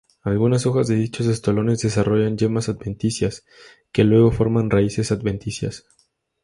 Algunas hojas de dichos estolones desarrollan yemas adventicias, que luego forman raíces adventicias.